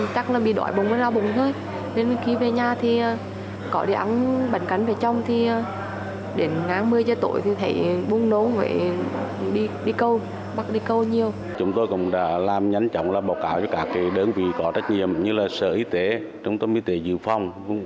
các bệnh nhân đã làm nhắn chóng báo cáo cho các đơn vị có trách nhiệm như sở y tế trung tâm y tế dự phòng